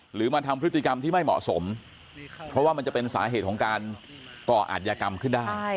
หรือมาทำพฤติกรรมที่ไม่เหมาะสมเพราะว่ามันจะเป็นสาเหตุของการก่ออาจยากรรมขึ้นได้